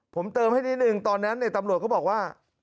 ผมเติมให้นิดนึงตอนนั้นตำรวจก็บอกว่า